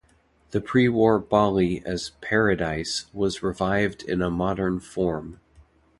The pre-War Bali as "paradise" was revived in a modern form.